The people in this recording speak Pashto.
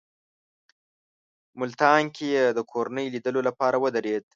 ملتان کې یې د کورنۍ لیدلو لپاره ودرېد.